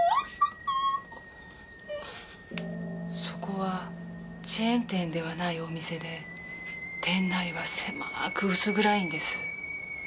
そこはチェーン店ではないお店で店内は狭く薄暗いんです。